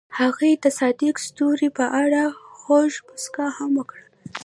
هغې د صادق ستوري په اړه خوږه موسکا هم وکړه.